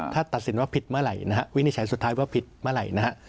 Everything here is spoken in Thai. ถ้าตัดสินว่าผิดเมื่อไหร่นะฮะวินิจฉัยสุดท้ายว่าผิดเมื่อไหร่นะฮะ